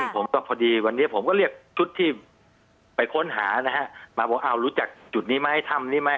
ผมก็พอดีวันนี้ผมก็เรียกชุดที่ไปค้นหานะฮะมาบอกอ้าวรู้จักจุดนี้ไหมถ้ำนี้ไหม